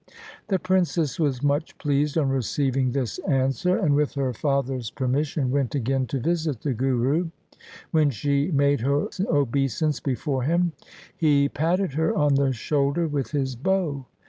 The princess was much pleased on receiving this answer, and with her father's permission went again to visit the Guru. When she made her obeisance before him he patted her on the shoulder with his bow.